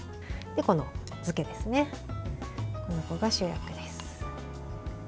漬けですね、この子が主役です。